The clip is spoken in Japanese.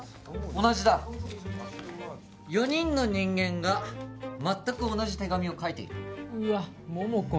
同じだ４人の人間が全く同じ手紙を書いているうわっ桃子